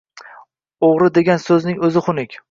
O‘g‘ri degan so‘zning o‘zi xunuk…